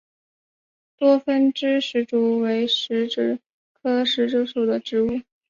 多分枝石竹为石竹科石竹属的植物。